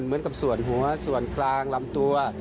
เหมือนกับส่วนหัวส่วนกลางลำตัว